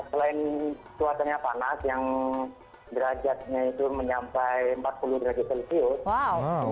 selain cuacanya panas yang derajatnya itu mencapai empat puluh derajat celcius